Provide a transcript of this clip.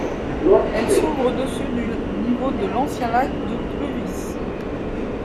Elle s'ouvre au-dessus du niveau de l'ancien lac de Pluvis.